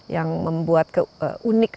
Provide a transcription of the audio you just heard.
yang membuat unik